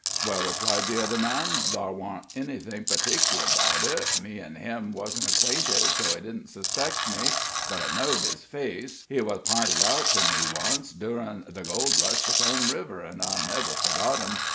"Well," replied the other man, "ther' wasn't anything p'tickler 'bout it. Me an' him wuzn't acquainted, so he didn't suspect me. But I know'd his face he wuz p'inted out to me once, durin' the gold rush to Kern River, an' I never forgot him.